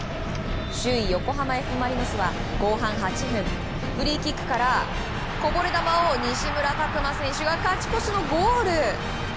首位、横浜Ｆ・マリノスは後半８分フリーキックからこぼれ球を西村拓真選手が勝ち越しのゴール！